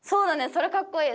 それかっこいい！